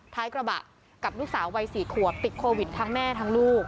ท้ายกระบะกับลูกสาววัย๔ขวบติดโควิดทั้งแม่ทั้งลูก